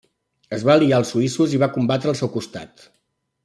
Es va aliar als suïssos i va combatre al seu costat.